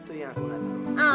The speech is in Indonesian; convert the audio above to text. itu yang aku gak tau